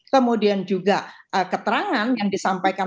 kemudian juga keterangan yang disampaikan